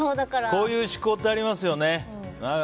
こういう思考ってありますよね。